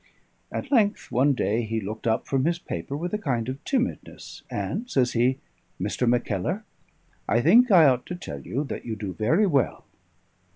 At length one day he looked up from his paper with a kind of timidness, and says he, "Mr. Mackellar, I think I ought to tell you that you do very well."